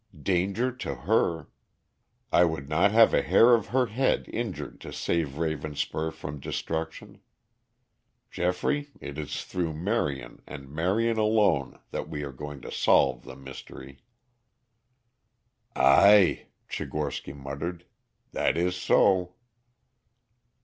Danger to her! I would not have a hair of her head injured to save Ravenspur from destruction. Geoffrey, it is through Marion and Marion alone, that we are going to solve the mystery." "Ay," Tchigorsky muttered, "that is so."